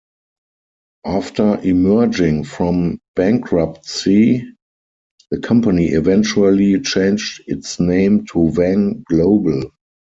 After emerging from bankruptcy, the company eventually changed its name to Wang Global.